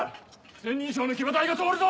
千人将の騎馬隊が通るぞ！